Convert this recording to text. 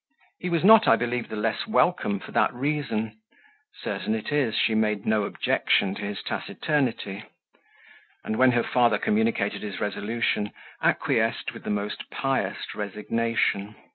He was not, I believe, the less welcome for that reason: certain it is she made no objection to his taciturnity; and when her father communicated his resolution, acquiesced with the most pious resignation.